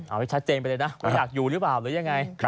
เอาให้ชัดเจนไปเลยนะว่าอยากอยู่หรือเปล่าหรือยังไง